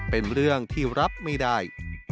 เป็นเรื่องที่รับไม่ได้